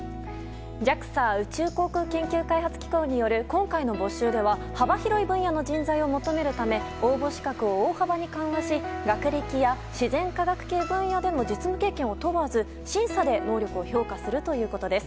ＪＡＸＡ・宇宙航空研究開発機構による今回の募集では幅広い分野の人材を求めるため応募資格を大幅に緩和し学歴や自然科学系分野での実務経験を問わず審査で能力を評価するということです。